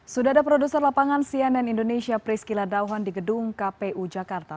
sudah ada produser lapangan cnn indonesia priscila dauhan di gedung kpu jakarta